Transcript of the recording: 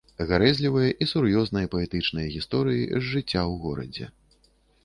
Гарэзлівыя і сур'ёзныя паэтычныя гісторыі з жыцця ў горадзе.